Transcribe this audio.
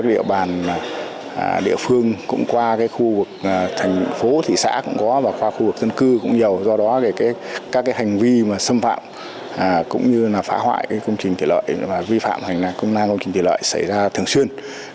vi phạm hành năng công trình thủy lợi xảy ra thường xuyên